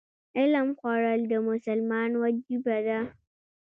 علم خورل د مسلمان وجیبه ده.